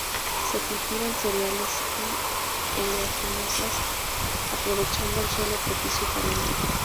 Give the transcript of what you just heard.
Se cultivan cereales y oleaginosas aprovechando el suelo propicio para ello.